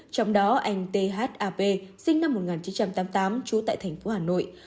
trong đó anh thap sinh năm một nghìn chín trăm tám mươi tám trú tại thành phố hà nội